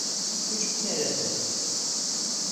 Çocuk nerede?